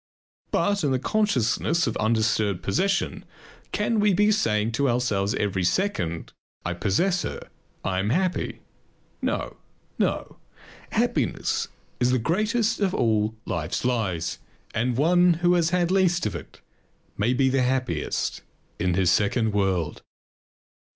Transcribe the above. But in the consciousness of undisturbed possession can we be saying to ourselves every second: I possess her, I am happy? No! no! Happiness is the greatest of all life's lies and one who has had least of it may be the happiest in his second world.